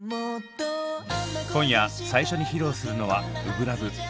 今夜最初に披露するのは「初心ＬＯＶＥ」。